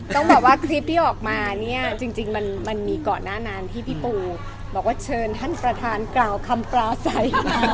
ต้องบอกว่าคลิปที่ออกมาเนี่ยจริงมันมีก่อนหน้านั้นที่พี่ปูบอกว่าเชิญท่านประธานกล่าวคำปลาใสมา